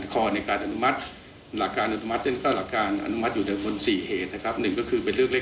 ของรุงเทพมหานคร